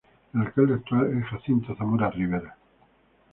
El alcalde actual es Jacinto Zamora Rivera.